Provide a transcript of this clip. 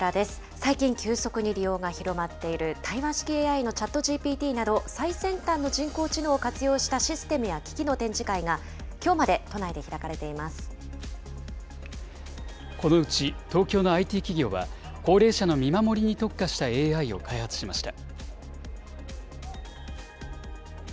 最近、急速に利用が広まっている対話式ＡＩのＣｈａｔＧＰＴなど、最先端の人工知能を活用したシステムや機器の展示会が、きょうまこのうち東京のＩＴ企業は、高齢者の見守りに特化したＡＩを開発しました。